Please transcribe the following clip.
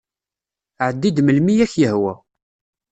Ɛeddi-d melmi i ak-yehwa.